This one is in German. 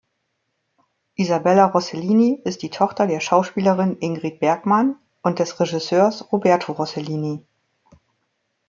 Isabella Rossellini ist die Tochter der Schauspielerin Ingrid Bergman und des Regisseurs Roberto Rossellini.